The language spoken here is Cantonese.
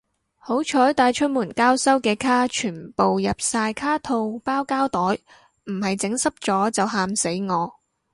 好彩帶出門交收嘅卡全部入晒卡套包膠袋，唔係整濕咗就喊死我